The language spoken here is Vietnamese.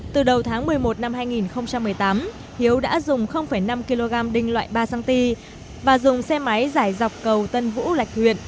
từ đầu tháng một mươi một năm hai nghìn một mươi tám hiếu đã dùng năm kg đinh loại ba cm và dùng xe máy giải dọc cầu tân vũ lạch huyện